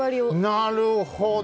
なるほど。